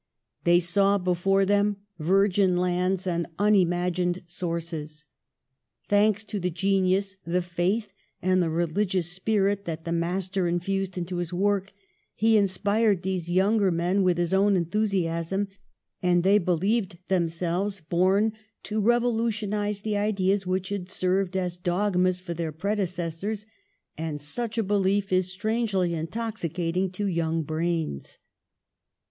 They saw before them virgin lands and unimagined sources. Thanks to the genius, the faith and the religious spirit that the master infused into his work, he in spired these younger men with his own enthusi asm, and they believed themselves born to rev olutionise the ideas which had served as dog mas for their predecessors; and such a belief is strangely intoxicating to young brains